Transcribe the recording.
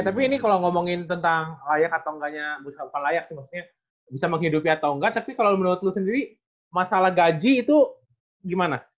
eh tapi ini kalau ngomongin tentang layak atau nggaknya bukan bukan layak sih maksudnya bisa menghidupi atau nggak tapi kalau menurut lo sendiri masalah gaji itu gimana